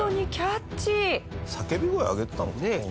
叫び声上げてたのかも。